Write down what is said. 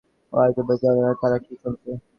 আচ্ছা, এ-বাড়িতে অন্য যারা আছে, তারা কি শুনছে?